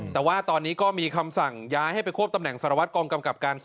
แต่ว่าตอนนี้ก็มีคำสั่งย้ายให้ไปควบตำแหน่งสารวัตรกองกำกับการ๒